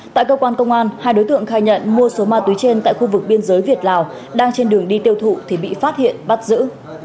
tại cơ quan công an hai đối tượng khai nhận mua số ma túy trên tại khu vực biên giới việt lào đang trên đường đi tiêu thụ thì bị phát hiện bắt giữ